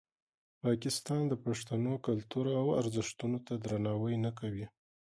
پاکستان د پښتنو کلتور او ارزښتونو ته درناوی نه کوي.